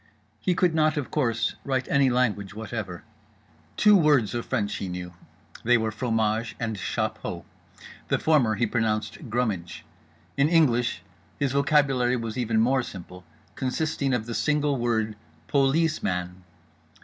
He could not, of course, write any language whatever. Two words of French he knew: they were fromage and chapeau. The former he pronounced "grumidge." In English his vocabulary was even more simple, consisting of the single word "po lees man."